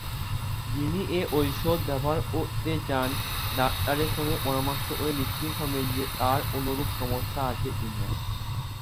যিনি এ ঔষধ ব্যবহার করতে চান ডাক্তারের সঙ্গে পরামর্শ করে নিশ্চিত হবেন যে তার কোনোরূপ সমস্যা আছে কিনা।